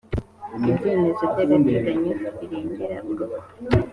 ibyemezo byagateganyo birengera urugo.